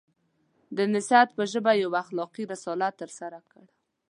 د نصیحت په ژبه یو اخلاقي رسالت ترسره کړ.